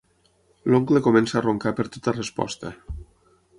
L'oncle comença a roncar per tota resposta.